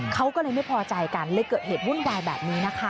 เขาก็เลยไม่พอใจกันเลยเกิดเหตุวุ่นวายแบบนี้นะคะ